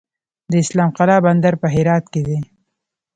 د اسلام قلعه بندر په هرات کې دی